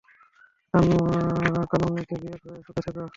কানমনিকে বিয়ে করে সুখে থেকো।